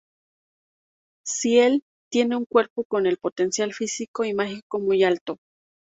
Ciel tiene un cuerpo con el potencial físico y mágico muy alto.